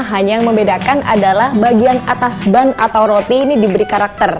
hanya yang membedakan adalah bagian atas ban atau roti ini diberi karakter